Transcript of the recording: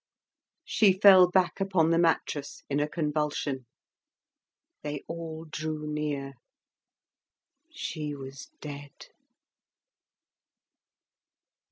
She fell back upon the mattress in a convulsion. They all drew near. She was dead.